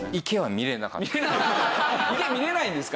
池見れないんですか？